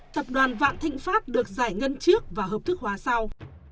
tập đoàn vạn thịnh pháp được giải ngân trước và hợp thức hóa sau